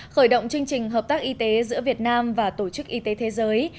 khởi động chương trình hợp tác y tế giữa việt nam và tổ chức y tế thế giới